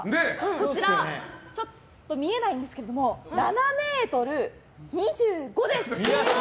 こちら、見えないんですけども７ｍ２５です！